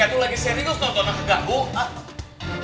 itu lagi serius tontonan keganggu